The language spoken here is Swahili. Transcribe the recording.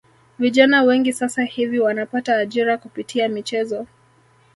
Vijana wengi sasa hivi wanapata ajira kupitia michezo